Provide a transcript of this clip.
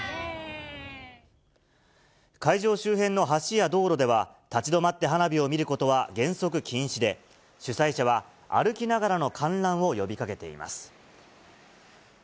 会場周辺の橋や道路では、立ち止まって花火を見ることは原則禁止で、主催者は歩きながらの観覧を呼びかけています。